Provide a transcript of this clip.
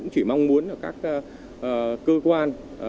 chỉ mong muốn các cơ quan